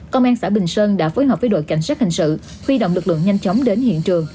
công an xã bình sơn đã phối hợp với đội cảnh sát hình sự huy động lực lượng nhanh chóng đến hiện trường